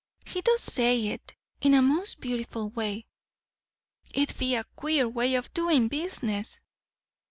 "He does say it, in a most beautiful way." "It'd be a queer way of doing business!"